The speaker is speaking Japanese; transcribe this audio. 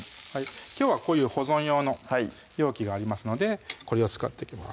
きょうはこういう保存用の容器がありますのでこれを使っていきます